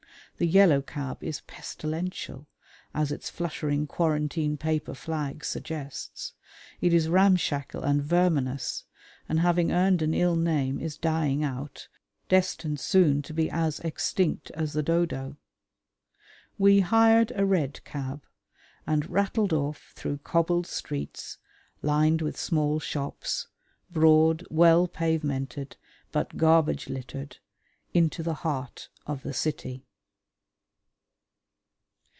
The yellow cab is pestilential, as its fluttering quarantine paper flag suggests. It is ramshackle and verminous, and, having earned an ill name, is dying out, destined soon to be as extinct as the dodo. We hired a red cab, and rattled off through cobbled streets, lined with small shops, broad, well pavemented but garbage littered, into the heart of the city.